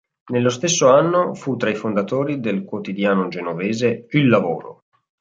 Nello stesso anno fu tra i fondatori del quotidiano genovese Il Lavoro.